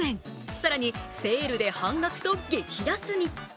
更にセールで半額と激安に。